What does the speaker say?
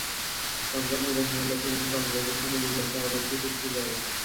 সংকট নিরসনের লক্ষ্যে তিনি কংগ্রেসের সঙ্গে দুই সপ্তাহ আগে একটি চুক্তি করেন।